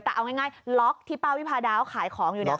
แต่เอาง่ายล็อกที่ป้าวิภาดาขายของอยู่นี่ล็อก๑๖